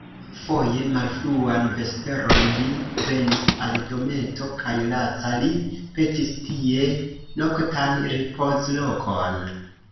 Foje, malfruan vesperon, li venis al dometo, kaj laca li petis tie noktan ripozlokon.